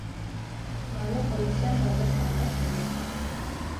მალე პოლიციამ ბაზარს ალყა შემოარტყა.